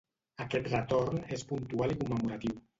Aquest retorn és puntual i commemoratiu.